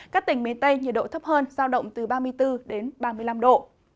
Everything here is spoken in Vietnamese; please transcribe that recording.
các tỉnh miền tây nhiệt độ thấp hơn giao động từ ba mươi bốn đến ba mươi năm độ